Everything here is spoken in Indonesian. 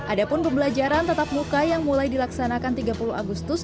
ada pun pembelajaran tetap muka yang mulai dilaksanakan tiga puluh agustus